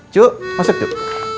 cuk masuk cuk